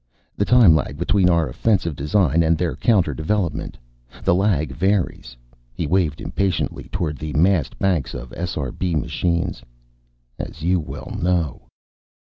"The time lag between our offensive design and their counter development. The lag varies." He waved impatiently toward the massed banks of SRB machines. "As you well know."